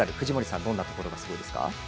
藤森さん、どんなところがすごいですか。